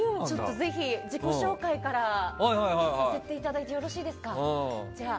ぜひ、自己紹介からさせていただいてよろしいですか？